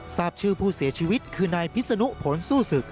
ทราบชื่อผู้เสียชีวิตคือนายพิษนุผลสู้ศึก